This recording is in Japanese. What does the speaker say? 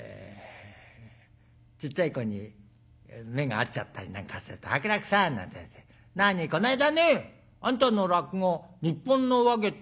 ちっちゃい子に目が合っちゃったりなんかすると「伯楽さん」なんて言われて「何？」。「こないだねえあんたの落語『日本の話芸』っての見た」。